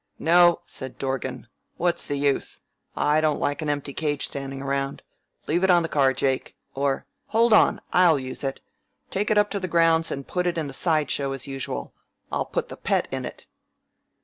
"No," said Dorgan. "What's the use? I don't like an empty cage standing around. Leave it on the car, Jake. Or hold on! I'll use it. Take it up to the grounds and put it in the side show as usual. I'll put the Pet in it."